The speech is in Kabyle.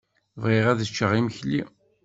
Bɣiɣ ad ččeɣ imekli.